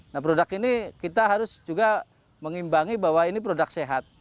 nah produk ini kita harus juga mengimbangi bahwa ini produk sehat